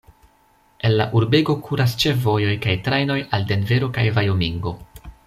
El la urbego kuras ĉefvojoj kaj trajnoj al Denvero kaj Vajomingo.